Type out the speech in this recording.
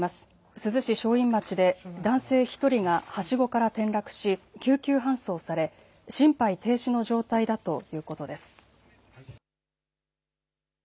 珠洲市正院町で男性１人がはしごから転落し救急搬送され心肺停止の状態だということです。